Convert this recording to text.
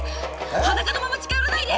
裸のまま近寄らないで！